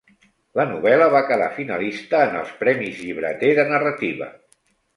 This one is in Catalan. La novel·la va quedar finalista en els Premis Llibreter de narrativa.